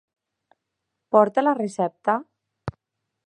Porta la recepta?